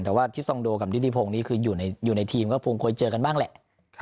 แต่ว่าทฤษฎรงค์โดกับดิดิพลกนี้คืออยู่ในทีมก็พงคล้อยเจอกันบ้างแหละ